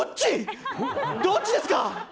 どっちですか？